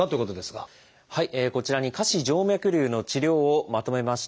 こちらに下肢静脈りゅうの治療をまとめました。